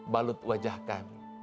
balut wajah kami